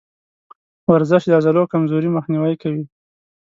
ورزش د عضلو کمزوري مخنیوی کوي.